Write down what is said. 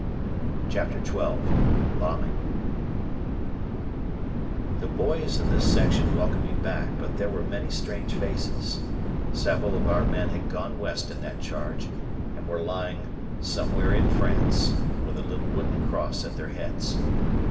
CHAPTER XII BOMBING The boys in the section welcomed me back, but there were many strange faces. Several of our men had gone West in that charge, and were lying "somewhere in France" with a little wooden cross at their heads.